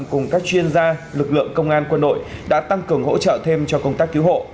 cùng các chuyên gia lực lượng công an quân đội đã tăng cường hỗ trợ thêm cho công tác cứu hộ